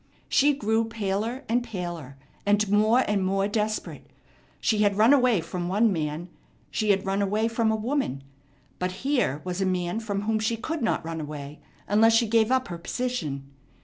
She grew paler and paler, and more and more desperate. She had run away from one man; she had run away from a woman; but here was a man from whom she could not run away unless she gave up her position.